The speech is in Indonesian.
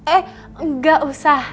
eh enggak usah